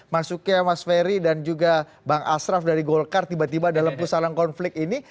masuknya mas ferry dan juga bang ashraf dari golkar tiba tiba dalam pusaran konflik ini